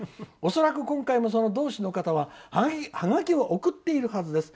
恐らく、今回も同士の方はハガキを送っているはずです。